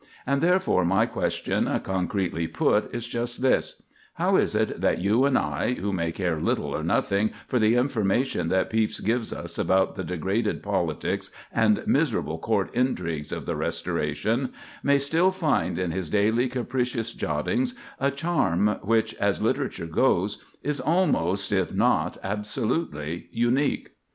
And therefore my question, concretely put, is just this: How is it that you and I, who may care little or nothing for the information that Pepys gives us about the degraded politics and miserable court intrigues of the Restoration, may still find in his daily capricious jottings a charm which, as literature goes, is almost, if not absolutely, unique?